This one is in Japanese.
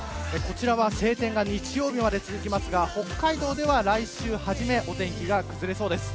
晴天が日曜日まで続きますが北海道では、来週初めお天気が崩れそうです。